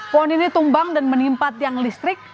pohon ini tumbang dan menimpat yang listrik